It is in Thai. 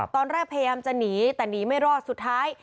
พยายามจะหนีแต่หนีไม่รอดสุดท้าย